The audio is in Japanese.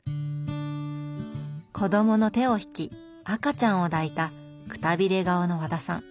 子供の手を引き赤ちゃんを抱いたくたびれ顔の和田さん。